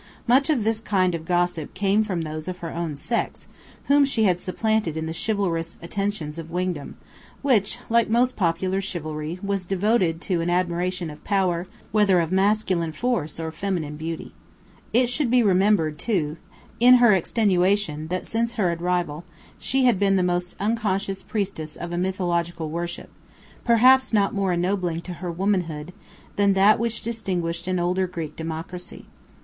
Much of this kind of gossip came from those of her own sex whom she had supplanted in the chivalrous attentions of Wingdam, which, like most popular chivalry, was devoted to an admiration of power, whether of masculine force or feminine beauty. It should be remembered, too, in her extenuation that since her arrival, she had been the unconscious priestess of a mythological worship, perhaps not more ennobling to her womanhood than that which distinguished an older Greek democracy.